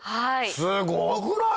すごくない？